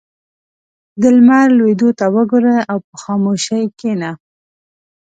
• د لمر لوېدو ته وګوره او په خاموشۍ کښېنه.